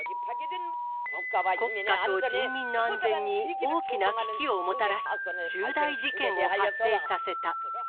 国家と人民の安全に大きな危機をもたらす重大事件を発生させた。